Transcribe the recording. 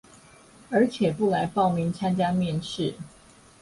而且不來報名參加面試